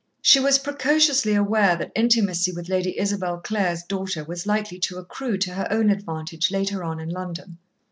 She was precociously aware that intimacy with Lady Isabel Clare's daughter was likely to accrue to her own advantage later on in London.